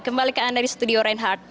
kembali ke anda di studio reinhardt